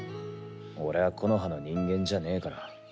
俺は木ノ葉の人間じゃねえから。